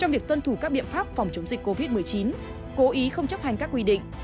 trong việc tuân thủ các biện pháp phòng chống dịch covid một mươi chín cố ý không chấp hành các quy định